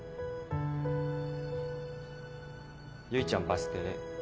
結ちゃんバス停。